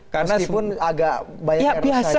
meskipun agak banyak yang resah juga